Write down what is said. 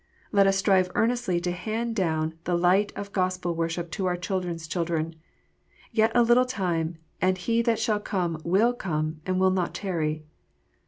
Let us strive earnestly to hand down the light of Gospel worship to our children s children. Yet a little time and He that shall come will come, and will not tarry.